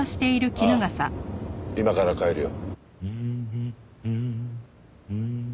今から帰るよ。